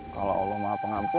kalau allah maha pengampun